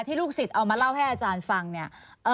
ลูกศิษย์เอามาเล่าให้อาจารย์ฟังเนี่ย